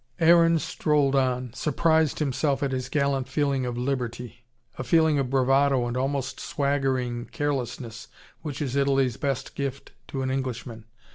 Aaron strolled on, surprised himself at his gallant feeling of liberty: a feeling of bravado and almost swaggering carelessness which is Italy's best gift to an Englishman.